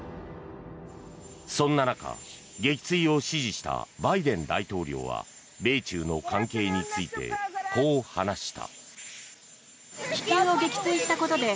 そんな中、撃墜を指示したバイデン大統領は米中の関係についてこう話した。